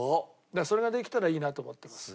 だからそれができたらいいなと思ってます。